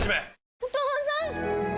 お父さん！